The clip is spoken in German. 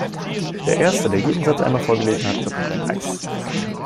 Der erste, der jeden Satz einmal vorgelesen hat, bekommt ein Eis!